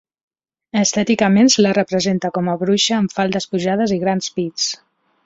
Estèticament se la representa com a bruixa amb faldes pujades i grans pits.